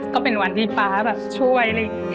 ก็เป็นวันที่ป๊าช่วย